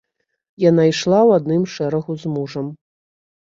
Яна ішла ў адным шэрагу з мужам.